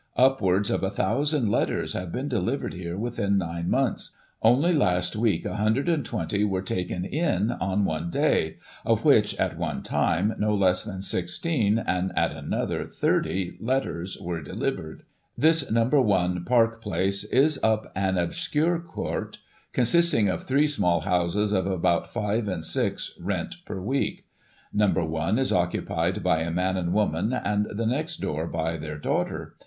Upwards of 1,000 letters have been de livered here within nine months ; only last week 1 20 were taken in on one day, of which, at one time, no less than 16, and, at another, 30, letters were delivered. This No. i. Park Place, is up an obscure court, consisting of three small houses, of about 5/6 rent per week. No. i is occupied by a man and woman, and the next door by their daughter.